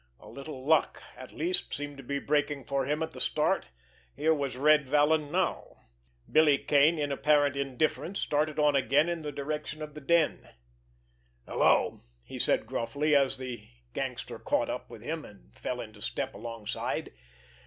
A little luck, at least, seemed to be breaking for him at the start. Here was Red Vallon now. Billy Kane, in apparent indifference, started on again in the direction of the den. "Hello!" he said gruffly, as the gangster caught up with him and fell into step alongside.